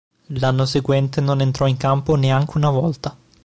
L'anno seguente non entrò in campo neanche una volta.